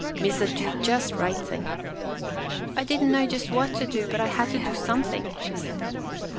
Missa do just right thing." " I didn't know just what to do, but I had to do something," she said.